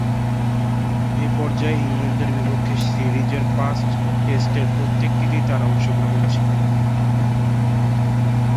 এ পর্যায়ে ইংল্যান্ডের বিপক্ষে সিরিজের পাঁচ টেস্টের প্রত্যেকটিতেই তার অংশগ্রহণ ছিল।